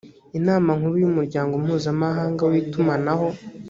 inama nkuru y’umuryango mpuzamahanga w’itumanaho